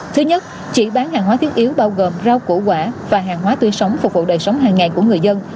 thứ nhất chỉ bán hàng hóa thiết yếu bao gồm rau củ quả và hàng hóa tươi sống phục vụ đời sống hàng ngàn của người dân